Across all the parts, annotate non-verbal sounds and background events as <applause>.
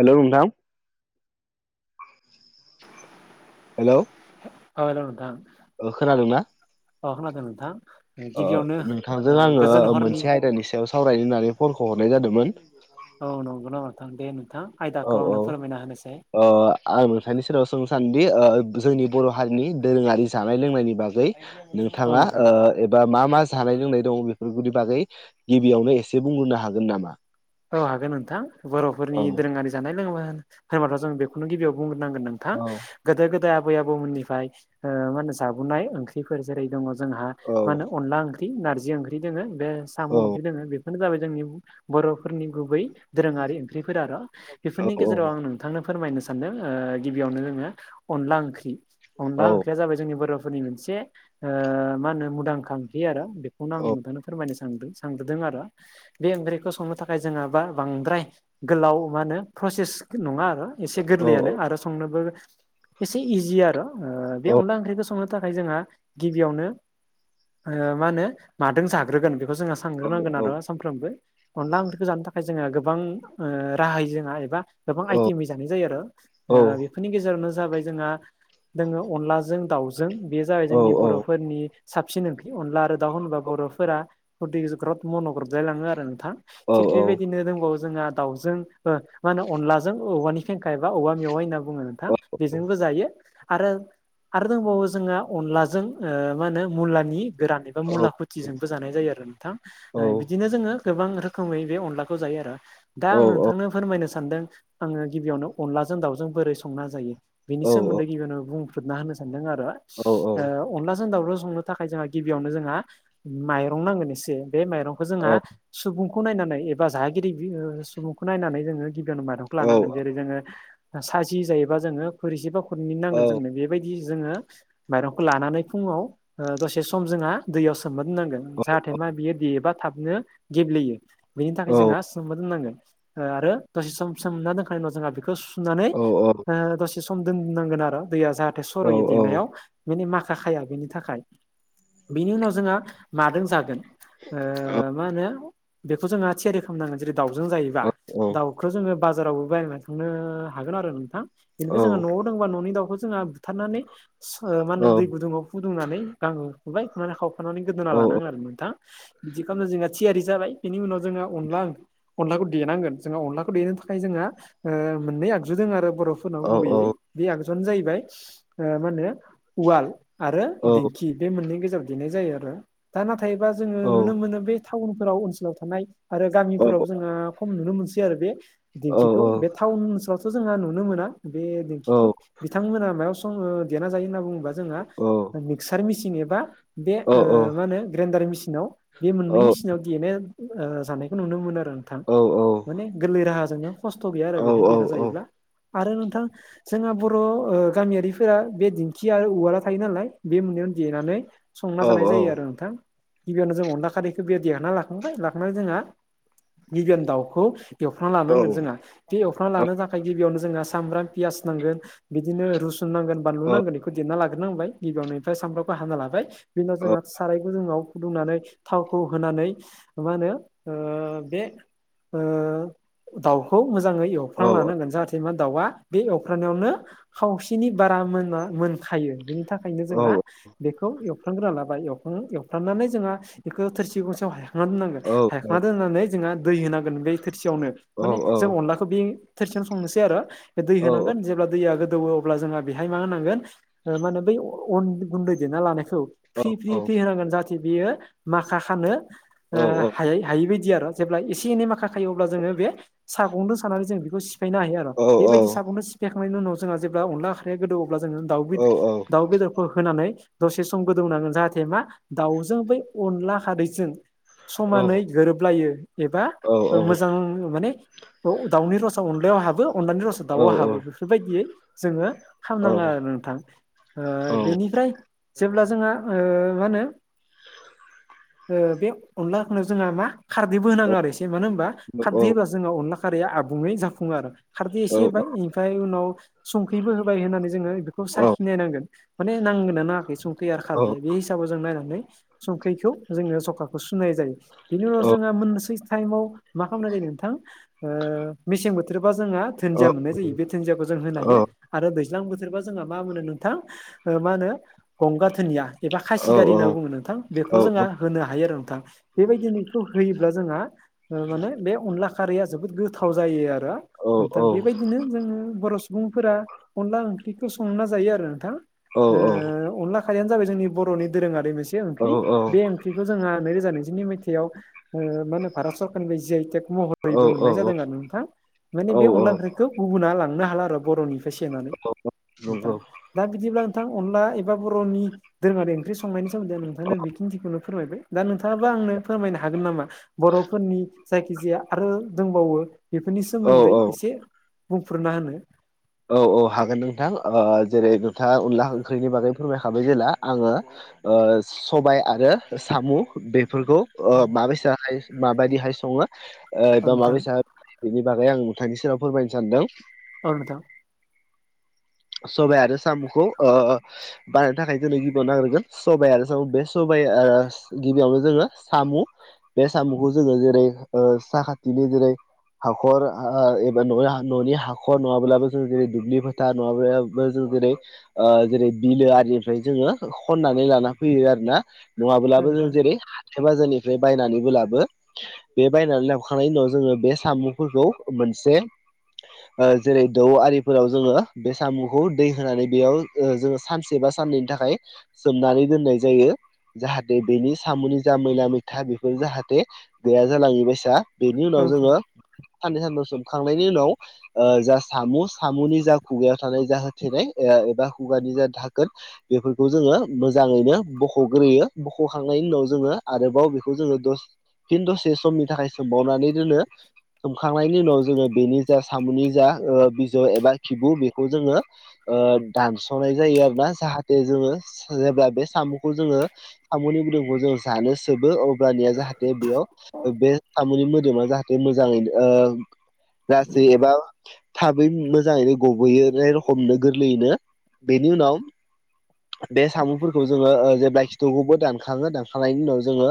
Hello नोंथां। हेल' औ दा खोनादों ना? अहनादों नोंथां गिबियावनो ओ नोंथांजों आङो गोजोन हरनि मोनसे आयदानि सायाव सावरायनो होननानै फनखौ हरनाय जादोंमोन। औ नंगौ न नोंथां दे नोंथां आयदाखौ आंनो फोरमायना होनोसै। अ आं नोंथांनि सेराव सोंनो सानदि जोंनि बर' हारिनि दोरोङारि जानाय लोंनायनि बागै औ नोंथाङा। नोंथां एबा मा मा जानाय लोंनाय दङ बेनि बागै गिबियावनो एसे बुंग्रोनो हागोन नामा? औ हागोन नोंथां बर'फोरनि औ दोरोङारि जानाय लोङोन होनबाथ' जों बेखौनो गिबियाव बुंग्रोनांगोन नोंथां। औ गोदो गोदाय आबै आबौमोननिफ्राय मा होनो जाबोनाय ओं ंखफोर जेरै दङ जोंहा औ मा होन अनला ओंख्रि नारजि ओंख्रि दोङो बे साम' औ रि दङ बे फोरनि बागै जोंनि बर'फोरनि गुबै दोरोङारि ओंख्रिफोर आर' बेफोरनि औ गेजेराव आं नोंथांनो फोरमायनो सानदों ओ गिबियावनो जोंनो अनला ओंख्रि। अनला औ ओंख्रिया जाबाय जोंनि बोराफोरनि मोनसे ओ मा होनो मुदांखा ओंख्रि आरो। बेखौनो आं औ नोंथाङा फोरमायनो सानदों सानग्रोदों आरो। बे ओंख्रिखौ संनो था फ्राय जोंहाबा बांद्राय गोलाव मा होनो प्रसेस नङा आरो। एसे औ गोरलैयानो आरो संनोबो एसे इजि आरो। ओ बे अनला ओंख्रिखो संनो थाखाय जोंहा गिबियावनो ओ मानो मादों जाग्रोगोन बेखौ जोंआस औ थांग्रोनांगोन औ आरो सानफ्रोमबो। अनला ओंख्रिखो जानो थाखाय जोंङो गोबां राहाय जोंहा एबा गोबां आइटिमै जानाय जायो आरो। औ ओ बेफोरनि गेजेरावनो जाबाय जोंहा दोङो अनलाजों दाउजों। बेयो जाबाय जोंनि बर' फोदनि साबसिन ओंख्रि अनला आरो दाउ होनबा बर'फोरा खुदै खोसो ग्रद मन' ग्रोदलायलाङो आरो नोंथां। औ थिग बेबायदिनो दंबावो जोंहा दाउजों ओ मानो अन्लाजों औनि फेंखा एबा औवा मेवाइ होन्ना बुङो नोंथां बेजोंबो जायो आरो आरो दंबावो जोंआ अनलाजों ओ मानो मुलानि गोरान एबा मुला खुथ थिजोंबो जानाय जायो आरो नोंथां। औ ओ बिदिनो जोङो गोबां रोखोमै बे अनलाखौ जायो आरो। दा औ आं औ नोंथांनो फोरमायनो सानदों आङो गिबियावनो अनलाजों दाउजों बोरै संना जायो? औ बिनि सोमोन्दै गिबियावनो बुंफ्रोदना होनो सानदों आरो। ओ अनलाजों दावजो संनो थाखाय जोंहा गिबियावनो जोंहा माइरं नांगोन एसे। बे माइरंखौ जोंहा सुबुं खौ नायनानै एबा जागिरि बि ओ सुबुंखौ नायनानै जोङो गिबियावनो माइरंखौ लानांगोन। जेरै जोङो ओ सासि जायोबा जोङो खोरैसेबा खुरैनै नांगोन जोंनो। बेबाय दि जोङो माइरंखौ लानानै फुङाव ओ दसे सम जोंआ दैयाव सोमना दोन्नांगोन जाहाथे मा बियो देबा थाबनो गेब्लेयो। बैनि थाखाय जोंहा सोमना दोननांगोन ओ आरो दसे सम सोमना दोनखांनायनि उनाव जोंहा बिखौ सुनानै ओ दसे सम दोननांगोन आरो। दैया जाहाथे औ सर'यै देनायाव। बिनि माखा खाया बिनि थाखाय। बिनि उनाव जोंहा मादों जागोन? ओ मा होनो बेखौ जोंआ थियारि खामनांगोन जेरै दाउजों जायोबा दाउखो जोङो बाजारावबो बायना लायखांनो हागोन आरो नोंथां। बेनिफ्राय जोंहा न'आव दोंबा न'नि दाउखौ जोंहा बुथारनानै मानो दै गुदुङाव फुदुंनानै गां खुबाय खुनानै खावफानानै गोदोना लानांगोन आरो मोनथा बिदि खामनो जोंहा थियारि जाबाय बेनि उनाव जोङा अनला ओंख्रि अनलाखौ देनांगोन। जोंहा अनलाखो देनो थाखाय जोंहा मोननै आगजु दङ आरो बर'फोरनाव गुबैयै। बे आगजुआनो जाहैबाय ओ मानो उवाल आरो दिं खि बे मोननै गेजेराव देनाय जायो आरो। दा नाथायबा जोङो नुनो मोनो बे टाउनफोराव ओनसोलाव थानाय आरो गामिफोराव जोङो खम नुनो मोनसै आरो बे दिंखिखौ। बे टाउन ओनसोलावथ' जोंहा नुनो मोना बे दिंखिखौ। बिथांमोना मायाव सं ओ देना जायो होनना बुङोब्ला जोंहा ओ मिक्सार मिसिं एबा बे औ ओ मानो ग्रेन्डार मिसिनाव बे मोननै मिसिनाव देनो ओ जानायखौ नुनो मोनो आरो नोंथां। माने गोरलै राहाजोंनो खस्थ' गैया आरो बेहाय देरना जायोब्ला आरो नोंथां जोंहा बर' ओ गामियारिफोरा बे दिंखि आ उवाला थायो नालाय बे मोन्नैयावनो देनानै संना जानाय जायो आरो नोंथां। गिबियावनो जों अनदला खारैखो बेया लाखांबाय ला खांना जोंहा गिबियावनो दाउखौ एवफ्रांना लानांगोन जोंहा। बे एवफ्राना लाना जा खाय गिबियावनो जोंआ सामब्राम पियास नांगोन बिदिनो रुसुन नांगोन। बानलु नांगोन इखौ दिरना लाग्रोनांबाय गिबियावनो ओमफ्राय सामफ्रामखौ हाना लाबाय। बिनाव जोंहा साराय गुदुंआव फुदुंनानै थावखौ होनानै मा होनो ओ बे ओ दाउखौ मोजाङै एव खांना लानांगोन जाथ सेमा दाउआ बे एवफ्रानायावनो खावसेनि बारा मोन आ मोनखायो बेनि था खायनो जोंहा बेखौ एवफ्रां ग्रोना लाबाय। एवफ्रां एवफ्रामनानै जोंहा इखो थोरसि गंसेयाव हाय हायखांना दोननांगोन। नानै जोंहा दै होनांगोन बै थोरसियावनो माने जों अनलाखौ बे थोरसियावनो संनोसै आरो दै होनांगोन जेब्ला दैया गोदौ ओ अब्ला जोंहा बेहाय फ्रि फ्रि फ्रि होनांगोन जाहाथे बेयो माखा खानो ह हायिबायदि आरो जेब्ला एसे एनै माखा खायो अब्ला जोङो बे सागंजों सानानै जों बेखौ सिफायनो हायो आरो बेबायदि फिसाखौनो सिफायखांनायनि उनाव जोंहा जेब्ला अनला आख्राया गोदौ अब्ला जोङो द दाउ बेदर होनानै दसे सम गोदौनांगोन जाहाथे मा दाउजों बै अनला खारैजों समानै गोरोबलायो एबा मोजां माने दाउनि रसा अनलायाव हाबो अनलानि रस दाउआव हाबो बेफोरबायदियै जोङो ख खालामनाङा आरो नोंथां बेनिफ्राय जेब्ला जोंहा मा होनो बे अनलाखौाव जोंहा मा खारदैबो होनाङो आरो एसे मानो होनबा खारदै होबा ज अनला खै आबुै जाफुङो आरो खार एसे हाय उनाव संखैबो होबाय होननानै जोङो बेखौ औ औ साखिनायनांगोन माने नांगोना नाङाखै संथ्रि आरो औ खारदया बे हिसाबाव जों नायनानै संखैखौ जोङो जखाखौ सुनाय जायो बेनि उनाव जोंहा मोननोसै टाइमाव मा खालामनाय जायो नोंथां मेसें बोथोरबा जोंहा औ दुुनदिया मोननाय जायो बे दुुनदियाखौ जों होनो औ हायो आरो दैज्लां बोथोरबा जोंहा मा होनो नोंथां मा होनो गंगाथोनिया एबा औ खासिदारि होनना बुङो नोंथां औ बेखौ औ जोंहा होनो हायो आरो बेबायदिखौ होयोब्ला जोंहा माने बे अनला खारैया जोबोद गोथाव जायो आरो औ नोंथां बेबायदिनो जोङो बर' सुबुंफोरा अनला ओंख्रिखौ संना जायो आरो नोंथां। अनला खारियानो जाबाय जोंनि बर'नि दोरोङारि मोनसे ओंख्रि बे ओंख्रिखौ जोंहा नैरो मथयावार सरकारनि महर जि आइ टेक औ बयबो मोननाय जादों आरो नोंथां। माने औ बे औ अनला ओंख्रिखौ गुबुना लांनो हाला आरो बर'निफ्राय सनानै नोंथां। नंगौ दा बिदिब्ला नोंथां अनला एबा बर'नि दोरोङारि ओंख्रि संनायनि सोम्दैं नोंथां बेखिनिथिखौनो फोरमायबाय दा नोंथाङाबा आंनो फोरमायनो हागोन नामा? बर'फोरनि जायखिजाया आरो दंबावो बेफोरनि औ सोमोन्दै औ एसे बुंफोरना होनो औ औ हागोन नोंथां जेरै नोंथाङा अनला ओंख्रिनि बागै फोरमायखाबाय जेला आङो सबाय आरो साम' बेफोरखौ अ माबेस माबायदिहाय औ सङोबा माब नोंथां बेनि बागै आं नुथांनि सेराव फोरमायनो सानदों। आनो दा सबाइ आरो साम'खौ बानायनो थाखाय जोंनो गिबियाव नागिरगोन सबाइ आरो स बे सबाइ गिबियावनो जोङो साम' बे साम'खौ जोङो जेरै साखाथिनि जेरै हाखर एबा न न'नि हाखर नङाब्लाबो जों जेरै दुब्लि फोथार माबायाबो जों दिेरै जेरै बिलो आरिनिफ्राय जोङो खन्नानै लाना फैयो आरो ना। औ नङाब्लाबो जों नोंथां जेरै साथाय बाजारनिफ्राय बायनानैबोलाबो बे बायनानै लाबोखांनायनि उनाव जोङो बे साम'फोरखौ मोनसे जेरै दाउ आरिफोराव जोङो बे साम'खौ दै होनानै बेयाव जोङो सानसे बा साननैनि थाखाय सोमनानै दोननाय जायो। जाहाथे बेनि साम'नि जा मैला मैथा बेफोर जाहाथे गैया जालाङि बसा बेनि औ उनाव नोंथां जोङो साननै सानथआव सोमखांनायनि उनाव जा सामु साम'नि जा खुगायाव थानाय जा होथेनाय एबा खुगानि जा थाखोन बेफोरखौ जोङो मोजाङैनो बख'ग्रोयो बख'खांनायनि उनाव जोङो आरोबाव बेखौ जोङो द खिन्थु से समनि थाखाय सोंबावनानै दोनो सोमखांनायनि उनाव जोङो बेनि जा साम'नि जा बिजौ एबा खिबु बेखौ जोङो दानस'नाय जायो आरो ना जाहाथे जोङो जेब्ला बे साम'खौ जोङो सामनि गुदुंखौ जों जानो सोबो ओ दानिया जाहाथे बेयाव बे सामुनि मोदोमा जाहाथे मोजाङै गासै एबा थाबै मोजाङैनो गबोयो ए रखमनो गोरलैयैनो बेनि उनाव बे सामुंफोरखौ जोङो जेब्ला खिथुखौबो दानखाङो दानखांनायनि उनाव जोङो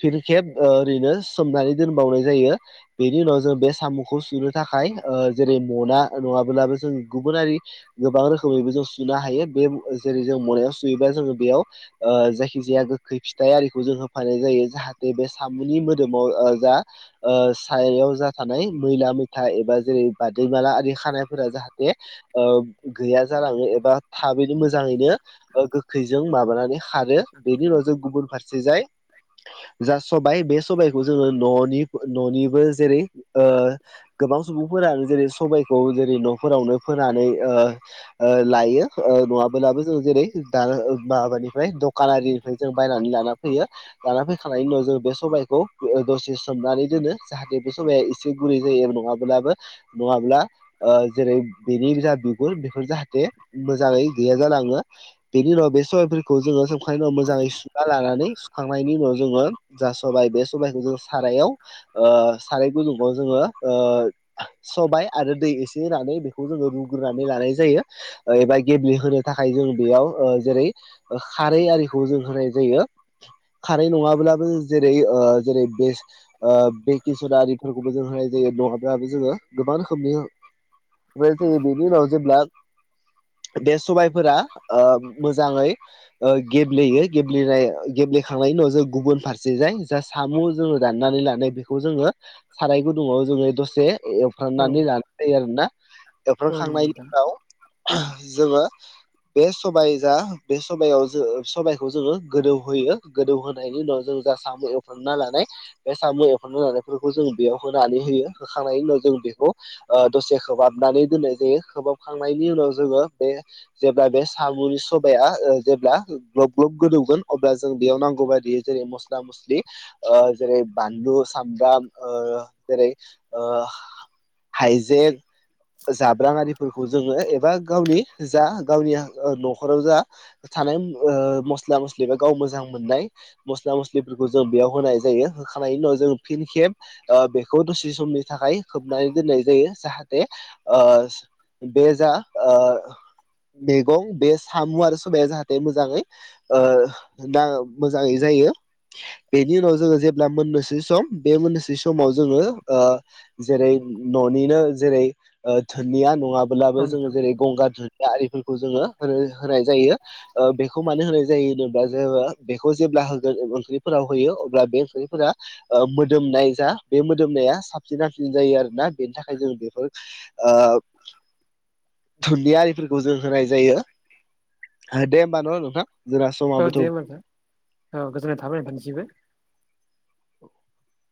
फिर खेब ओरैनो सोमनानै दोनबावनाय जायो बेनि उनाव जों बे साम'खौ सुनो थाखाय जेरै मना नङाब्ला अब्लाबो जों गुबुनारि गोबां रोखोमैबो जों सुनो हायो बे जेरै जों मोननायाव सुयोबा जोङो बेयाव जायखिजाया गोखै फिथाइ आरिखौ जों होफानाय जायो जाहाथे बे साम'नि मोदोमाव जा सायाव जाथ मैला मैथा एबा जेरै बादैमाला आरि खानाय फोर जाहाथे गैया जालाङो एबा थाबैनो मोजाङैनो गोखैजों माबानानै खारो बेनि उनाव जों गुबुन फारसे जाय जा सबाय बे सबायखौ जोङो न'नि न'निबो जेरै ओ गोबां सुबुंफोरानो जेरै सबायखौ जेरै न'फोरावनो फोनानै लायो नङाब्लाबो जों जेरै दा माबानिफ्राय दखानारि निफ्राय जों बायनानै लाना फैयो। लाना फैखांनायनायनि उनाव जों बे समबायखौ दसे सोमनानै दोनो जाहाथे बे समाया एसे गुरै जायो नङाब्लाबो नङाब्ला जेरै बेनि जा बिगुर बेफोर जाहाथे मोजाङै गैया जालाङो बेनि उनाव बे सबाइफोरखौ जोङो सोमखांनायनि उनाव मोजाङै सुना लानानै सुखांनायनि उनाव जोङो जा सबाय बे सबायाइखौ जों सारायाव साराय गुलुगाव जोङो सबाय आरो दैसे ए रनानै बेखौ जोङो रुग्रोनानै लानाय जायो। एबा गेब्लेहोनो थाखाय जों बेयाव जेरै खारै आरिखौ जों होनाय जायो। खारै नङाब्लाबो जेरै जेरै बे भकेसनिफोरखौबो जों होनाय जायो नङाब्लााबो जोङो गोबां रोखोमनि बेनि उनाव जेब्ला बे सबायफोरा मोजाङै गेब्लेयो गेबेनाय गेब्लेखांनायनि उनाव जों गुबुन फारसे जाय जास साम' जोङो दाननानै लानाय बेखौ जोङो साराय गुदुङाव जोङो दसे औ एवफ्रांनानै लानाय जायो आरोना औ नंगौ एवफ्रांखांनायनि नोंथां उनाव जोङो बे समाय जा बे समायाव जो समायखौ जोङो गोदौ होयो गोदौह़यनि उनाव जों गासामबो एवफ्रेना लानाय बे साम' एम्फननो जानायफोरखौ जों बेयाव होनानै होयो होखांनायनि उनाव जों बेखौ दसे खोबहाबनानै दोननाय जायो खोबहाबखांनायनि उनाव जोङो बे जेब्ला बे सागुरि सबाया जेब्ला ग्लब ग्लब गोदौगोन अब्ला जों बेयाव नांगौ बायदियै जेरै मस्ला मस्लि जेरै बानलु सामब्राम ओ जेरै ओ हाइजें जाब्राां आरिफोरखौ जोङो एबा गावनि जा गावनि न'खराव जा थानाय मस्ला मस्लि बा गाव मोजां मोननाय मस्ला मस्लिफोरखौ जों बेयाव होनाय जायो होखानायनि उनाव जों फिन खेब बेखौ दसे समनि थाखाय खोबनानै दोननाय जायो जाहाथे ओ बे जा ओ मैगं बे साम' आरो सबाया जाहाथे मोजाङै ओ‌ दा मोजाङै जायो। बेनि उनाव जोङो जेब्ला मोननोसै सम बे मोननोसै समाव जोङो। जेरै न'निनो जेरै धोनिया नङाब्लाबो औ जोङो नोंथां जेरै गंगार दधुदिया आरिफोरखौ जोङो होनो होनाय जायो। बेखौ मानो होनाय जायो होनोब्ला जोङ़ बेखौ जेब्ला होगोन ओंख्रिफोराव होयो अब्ला बे ओंख्रिफोरा। मोदोमनाय जा बे मोदोमनाया साबसिन हाबसिन जायो आरोना। बेनि थाखाय जों बेफोर ओ दुनदिया आरिफोरखौ जों होनाय जायो। दे होमबा ना नोंथां जोंना औ समाबोथ' दे होमबा सार औ गोजोननाय थाबाय नोंथांनिसिमबो <inaudible>